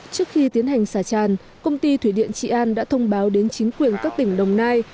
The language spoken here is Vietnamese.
trước khi tiến hành xả tràn công ty thủy điện trị an đã thông báo đến chính quyền các tỉnh đồng nai